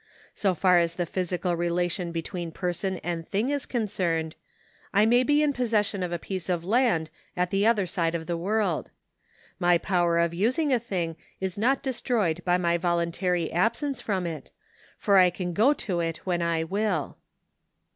So far as the physical relation between person an(;J thing is concerned, I may be in possession of a piece of land at the other side of the world. My power of using a thing is not destroyed by my voluntary absence from it, for I can go to it when I will.